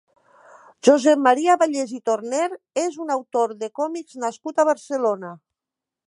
Josep Maria Vallés i Torner és un autor de còmics nascut a Barcelona.